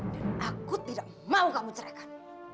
dan aku tidak mau kamu cerahkan